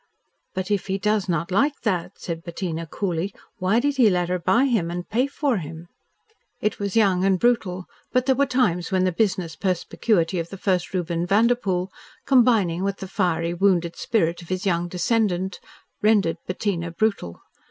"But if he does not like that," said Bettina coolly, "why did he let her buy him and pay for him?" It was young and brutal, but there were times when the business perspicuity of the first Reuben Vanderpoel, combining with the fiery, wounded spirit of his young descendant, rendered Bettina brutal.